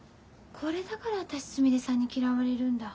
これだから私すみれさんに嫌われるんだ。